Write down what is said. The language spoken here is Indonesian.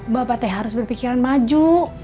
bapak teh harus berpikiran maju